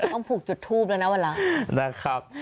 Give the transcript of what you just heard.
ต้องผูกจุดทูบด้วยนะวันหลัง